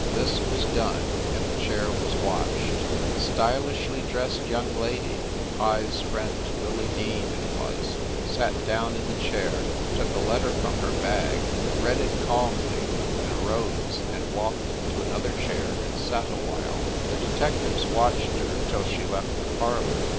This was done, and the chair was watched. A stylishly dressed young lady Pye s friend Lily Dean, it was sat down in the chair, took a letter from her bag, read it calmly, then rose, and walked to another chair and sat awhile. The detectives watched her till she left the parlor.